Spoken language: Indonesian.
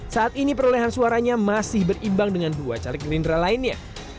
saat ini perolehan suaranya masih berimbang dengan dua caleg gerindra lainnya